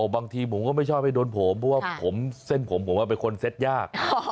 บางทีผมก็ไม่ชอบให้โดนผมเพราะว่าเส้นผมผมเป็นคนเซ็ตยาก